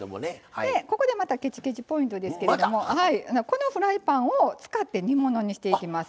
ここでまたケチケチ・ポイントですけれどもこのフライパンを使って煮物にしていきます。